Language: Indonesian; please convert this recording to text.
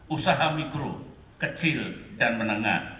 usaha mikro kecil dan menengah